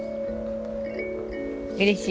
うれしい？